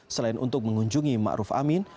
selain untuk mengunjungi ma'ruf amin